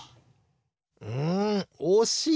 うんおしい！